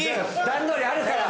段取りあるから！